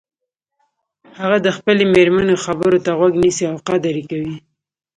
هغه د خپلې مېرمنې خبرو ته غوږ نیسي او قدر یی کوي